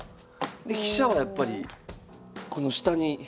で飛車はやっぱりこの下に。